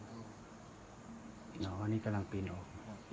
อ๋ออันนี้กำลังปีนออก